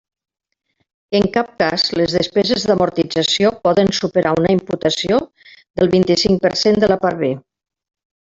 En cap cas les despeses d'amortització poden superar una imputació del vint-i-cinc per cent de la Part B.